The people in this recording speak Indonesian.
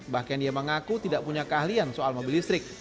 bahkan dia mengaku tidak punya keahlian soal mobil listrik